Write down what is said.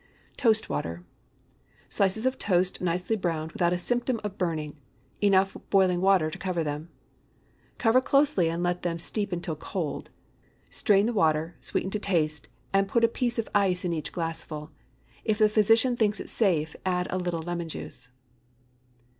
TOAST WATER. ✠ Slices of toast, nicely browned, without a symptom of burning. Enough boiling water to cover them. Cover closely, and let them steep until cold. Strain the water, sweeten to taste, and put a piece of ice in each glassful. If the physician thinks it safe, add a little lemon juice.